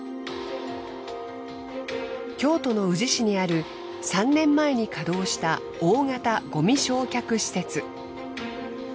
京都の宇治市にある３年前に稼働した大型ごみ焼却施設。